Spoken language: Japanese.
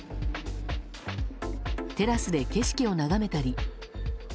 テラスで景色を眺めたり。